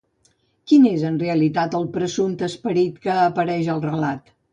Qui és en realitat el presumpte esperit que apareix al relat?